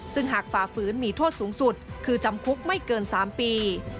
ซึ่งหากฝ่าฝืนมีโทษสูงสุดคือจำคุกไม่เกิน๓ปี